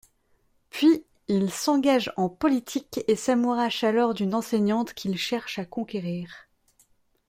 Puis, il s'engage en politique et s'amourache alors d'une enseignante qu'il cherche à conquérir.